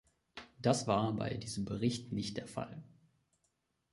Das war bei diesem Bericht nicht der Fall.